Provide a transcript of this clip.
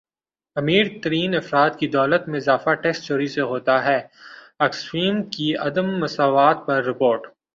امیر ترین افراد کی دولت میں اضافہ ٹیکس چوری سے ہوتا ہےاکسفیم کی عدم مساوات پر رپورٹ